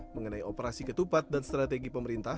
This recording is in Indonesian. mengenai operasi ketupat dan strategi pemerintah